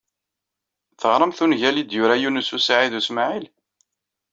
Teɣramt ungal ay d-yura Yunes u Saɛid u Smaɛil?